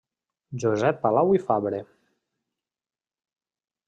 Josep Palau i Fabre.